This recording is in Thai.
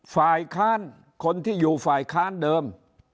ฝ่ายค้านคนที่อยู่ฝ่ายค้านเดิม